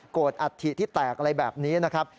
อัฐิที่แตกอะไรแบบนี้นะครับ